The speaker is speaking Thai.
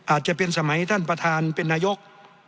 อาจจะเป็นสมัยท่านประธานเป็นนายก